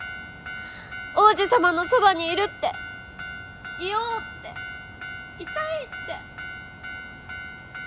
王子様のそばにいるっていようっていたいって。